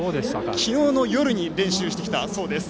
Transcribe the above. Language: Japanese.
昨日夜に練習したそうです。